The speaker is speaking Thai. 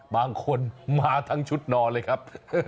บางคนมาทั้งชุดนอนเลยครับ